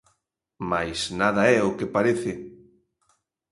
Mais nada é o que parece.